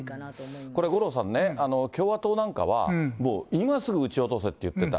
これ、五郎さんね、共和党なんかはもう今すぐ撃ち落とせって言ってた。